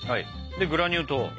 でグラニュー糖。